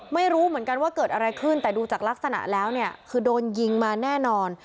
ไม่รู้เหมือนกันว่าเกิดอะไรขึ้นแต่ดูจากลักษณะแล้วเนี่ยคือโดนยิงมาแน่นอน